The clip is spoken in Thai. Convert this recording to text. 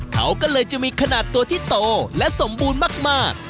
เขาก็เลยจะมีขนาดตัวที่โตและสมบูรณ์มาก